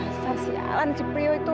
masa sialan ciprio itu